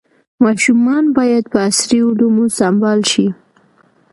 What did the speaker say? ماشومان باید په عصري علومو سمبال شي.